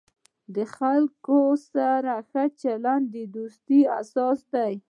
د خلکو سره ښه چلند، د دوستۍ اساس دی.